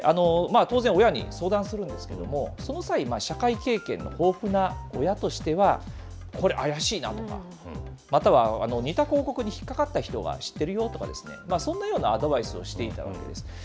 当然、親に相談するんですけれども、その際、社会経験の豊富な親としては、これ怪しいなとか、または、似た広告に引っ掛かった人が、知ってるよとか、そんなようなアドバイスをしていたわけです。